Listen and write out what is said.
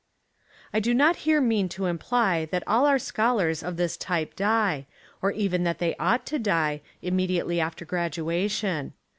I do not here mean to imply that all our schol ars of this type die, or even that they ought to die, immediately after graduation.